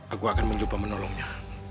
aku akan mencoba menolongnya